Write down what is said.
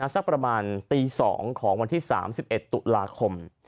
สักประมาณตี๒ของวันที่๓๑ตุลาคม